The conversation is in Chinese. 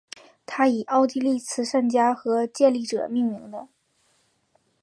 它以奥地利慈善家和建立者命名的。